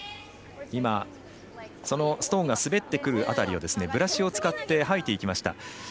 今、そのストーンが滑ってくる辺りをブラシを使って掃いていきました。